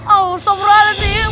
oh sobrangnya sih